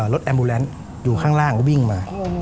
แอมมูแลนซ์อยู่ข้างล่างก็วิ่งมา